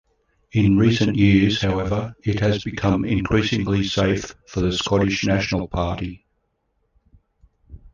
In recent years, however, it has become increasingly safe for the Scottish National Party.